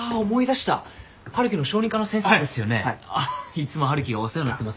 いつも春樹がお世話になってます。